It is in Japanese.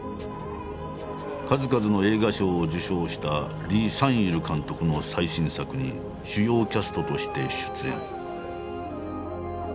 数々の映画賞を受賞した李相日監督の最新作に主要キャストとして出演。